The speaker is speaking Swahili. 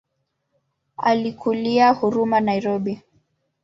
Alikulia Huruma Nairobi.